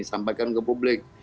sampaikan ke publik